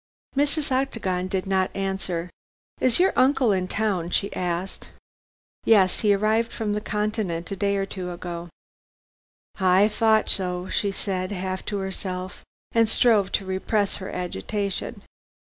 Mrs. Octagon did not answer. "Is your uncle in town?" she asked. "Yes. He arrived from the continent a day or two ago." "I thought so," she said, half to herself, and strove to repress her agitation.